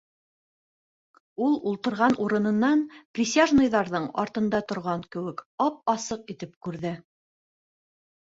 Ул ултырған урынынан присяжныйҙарҙың артында торған кеүек ап-асыҡ итеп күрҙе: